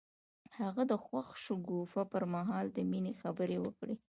هغه د خوښ شګوفه پر مهال د مینې خبرې وکړې.